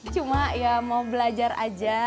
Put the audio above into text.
cuma ya mau belajar aja